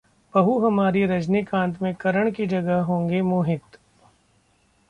'बहू हमारी रजनीकांत' में करण की जगह होंगे मोहित!